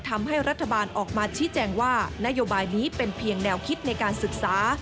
แต่ว่านโยบายนี้เป็นเพียงแนวคิดในการศึกษา